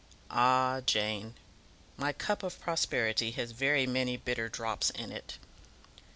"Ah! Jane, my cup of prosperity has very many bitter drops in it."